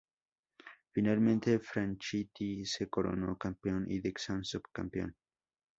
Finalmente, Franchitti se coronó campeón y Dixon subcampeón.